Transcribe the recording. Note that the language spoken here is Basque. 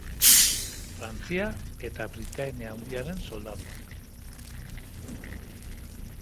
Frantzia eta Britainia Handiaren soldaduak.